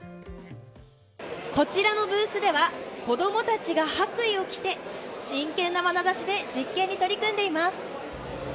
こちらのブースでは子供たちが白衣を着て真剣なまなざしで実験に取り組んでいます。